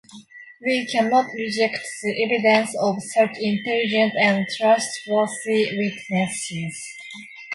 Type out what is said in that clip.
We cannot reject the evidence of such intelligent and trustworthy witnesses.